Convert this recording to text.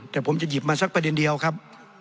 แต่ผมจะหยิบมาสักประเด็นเดียวครับ